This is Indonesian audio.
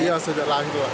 iya sejak lahir